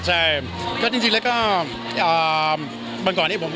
ระห่าบางคนเข้าบางครั้ง